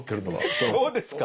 そうですか！？